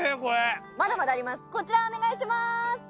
こちらお願いします。